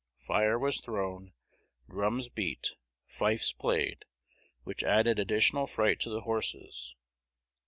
Fire was thrown, drums beat, fifes played, which added additional fright to the horses.